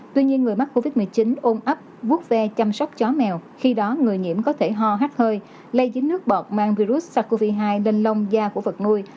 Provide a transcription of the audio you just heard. tuy nhiên người mắc covid một mươi chín ôm ấp vút ve chăm sóc chó mèo khi đó người nhiễm có thể ho hát hơi lây dính nước bọt mang virus sars cov hai lên lông da của vật nuôi